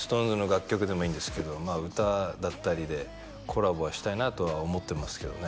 楽曲でもいいんですけどまあ歌だったりでコラボはしたいなとは思ってますけどね